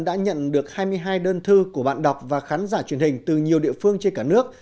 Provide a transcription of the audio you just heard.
đã nhận được hai mươi hai đơn thư của bạn đọc và khán giả truyền hình từ nhiều địa phương trên cả nước